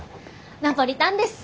ナポリタンです！